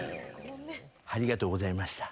はりがとうございました。